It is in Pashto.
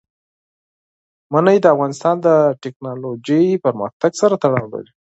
منی د افغانستان د تکنالوژۍ پرمختګ سره تړاو لري.